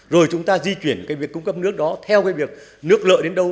rồi chúng ta di chuyển cái việc cung cấp nước đó theo cái việc nước lợi đến đâu